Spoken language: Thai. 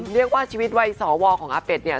เรียกว่าชีวิตวัยสวของอาเป็ดเนี่ย